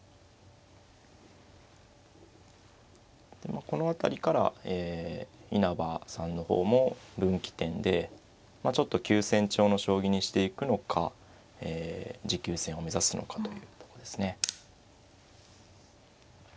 まあこの辺りからえ稲葉さんの方も分岐点でちょっと急戦調の将棋にしていくのか持久戦を目指すのかというとこですね。